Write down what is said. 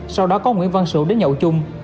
sau đó có nguyễn văn sửu đến nhậu chung